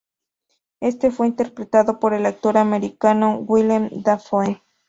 Este fue interpretado por el actor americano, Willem Dafoe.